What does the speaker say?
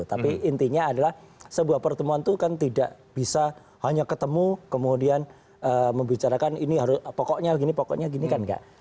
tapi intinya adalah sebuah pertemuan itu kan tidak bisa hanya ketemu kemudian membicarakan ini harus pokoknya gini pokoknya gini kan enggak